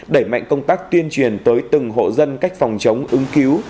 đẩy mạnh công tác tuyên truyền tới từng hộ dân cách phòng chống ứng cứu